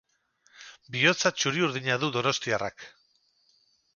Bihotza txuri-urdina du donostiarrak.